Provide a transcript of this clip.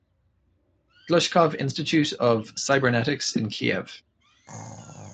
Glushkov Institute of Cybernetics in Kiev.